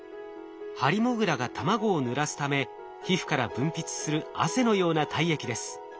ハリモグラが卵をぬらすため皮膚から分泌する汗のような体液です。